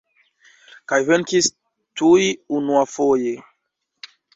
Kaj venkis tuj unuafoje.